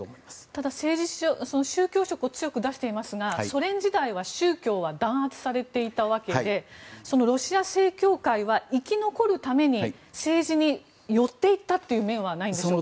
ただ宗教色を強く出していますがソ連時代は宗教は弾圧されていたわけでロシア正教会は生き残るために政治に寄っていったという面はないんでしょうか？